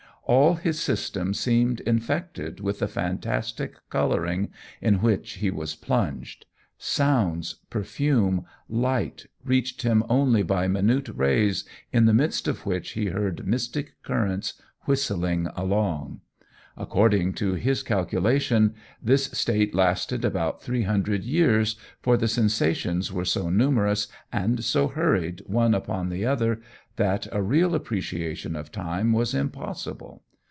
All his system seemed infected with the fantastic colouring in which he was plunged. Sounds, perfume, light, reached him only by minute rays, in the midst of which he heard mystic currents whistling along. According to his calculation, this state lasted about three hundred years, for the sensations were so numerous and so hurried one upon the other, that a real appreciation of time was impossible.